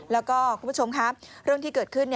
แล้วก็ข้อมูลข้อมูลที่เกิดขึ้น